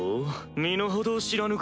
身の程を知らぬか？